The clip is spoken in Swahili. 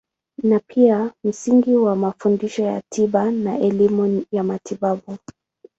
Ni pia msingi wa mafundisho ya tiba na elimu ya matibabu.